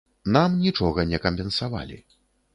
Нам нічога не кампенсавалі.